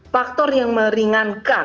faktor yang meringankan